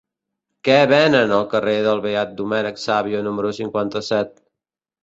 Què venen al carrer del Beat Domènec Savio número cinquanta-set?